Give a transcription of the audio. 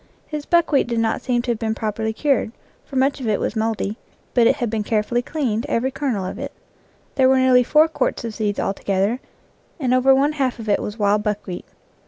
His buckwheat did not seem to have been properly cured, for much of it was mouldy, but it had been carefully cleaned, every kernel of it. There were nearly four quarts of seeds altogether, and over one half of it was wild buckwheat.